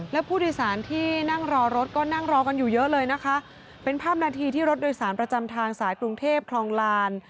และผู้โดยสารที่นั่งรอรถก็นั่งรอกันอยู่เยอะเลยนะคะเป็นภาพนาทีที่รถโดยสารประจำทางสายกรุงเทพคลองลาน